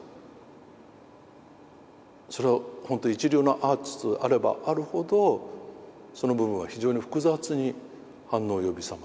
それはほんと一流のアーティストであればあるほどその部分は非常に複雑に反応を呼び覚ます。